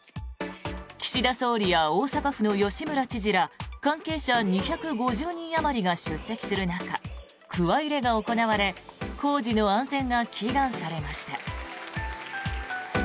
岸田総理や大阪府の吉村知事ら関係者２５０人あまりが出席する中くわ入れが行われ工事の安全が祈願されました。